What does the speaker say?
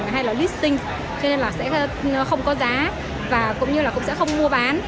hay là listing cho nên là sẽ không có giá và cũng như là cũng sẽ không mua bán